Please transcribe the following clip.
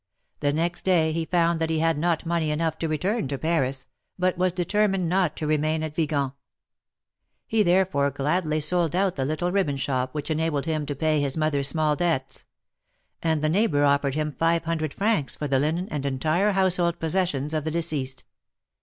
The next day he found that he had /not money enough to return to Paris, but was determined not to remain at Yigan. He therefore gladly sold out the little ribbon shop, which enabled him to pay his mother's small debts. And the neighbor offered him five hundred francs for the linen and entire household possessions of the deceased.